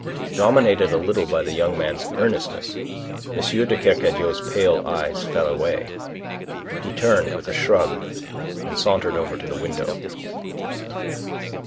Dominated a little by the young man's earnestness, M. de Kercadiou's pale eyes fell away. He turned with a shrug, and sauntered over to the window.